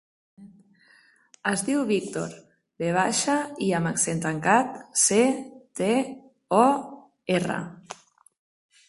Es diu Víctor: ve baixa, i amb accent tancat, ce, te, o, erra.